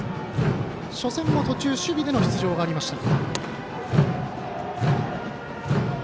初戦も途中守備での出場がありました。